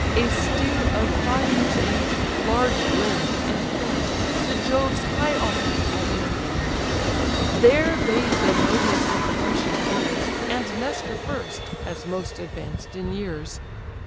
A steer of five years' age, large limb'd, and fed, To Jove's high altars Agamemnon led: There bade the noblest of the Grecian peers; And Nestor first, as most advanced in years.